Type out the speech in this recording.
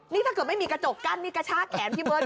นี่ถ้าเกิดไม่มีกระจกกั้นนี่กระชากแขนพี่เบิร์ต